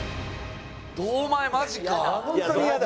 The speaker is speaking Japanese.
堂前マジか。